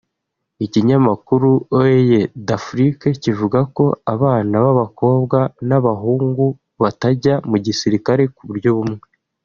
Ikinyamakuru Oeil d’Afrique kivuga ko abana b’abakobwa n’abahungau batajya mu gisirkare ku buryo bumwe